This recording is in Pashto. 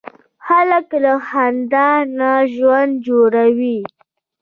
هلک له خندا نه ژوند جوړوي.